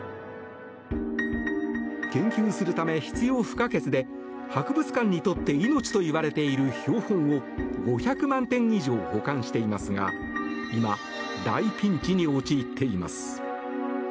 研究するため必要不可欠で博物館にとって命といわれている標本を５００万点以上保管していますが今、大ピンチに陥っています。